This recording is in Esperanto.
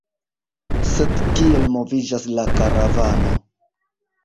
Sed kiel moviĝas la karavano?